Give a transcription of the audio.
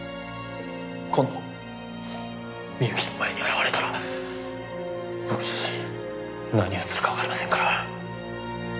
今度深雪の前に現れたら僕自身何をするかわかりませんから。